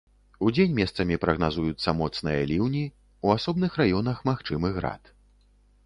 Удзень месцамі прагназуюцца моцныя ліўні, у асобных раёнах магчымы град.